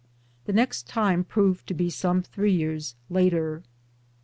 1 The next time proved to be some three years later.